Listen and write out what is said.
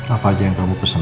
apa aja yang kamu pesan